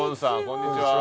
こんにちは。